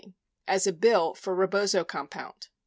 as a "bill for Rebozo compound."